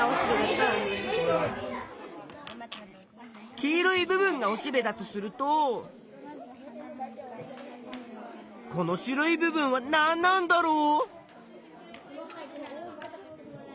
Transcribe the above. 黄色い部分がおしべだとするとこの白い部分はなんなんだろう？